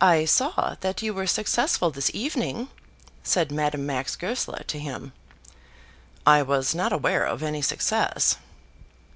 "I saw that you were successful this evening," said Madame Max Goesler to him. "I was not aware of any success."